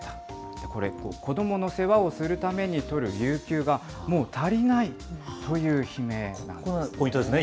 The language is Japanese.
これ、子どもの世話をするために取る有給が、もう足りないという、そういう悲鳴なんですね。